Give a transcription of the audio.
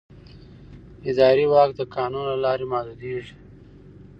اداري واک د قانون له لارې محدودېږي.